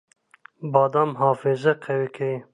بادام حافظه قوي کوي